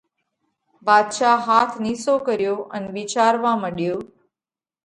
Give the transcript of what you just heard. ڀاڌشا هاٿ نِيسو ڪريو ان وِيچاروا مڏيو۔